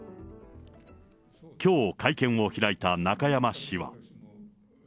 きょう、会見を開いた中山氏は。